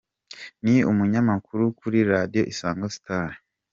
Ni umunyamakuru kuri Radio Isango Star.